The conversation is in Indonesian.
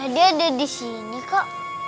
dia ada disini kak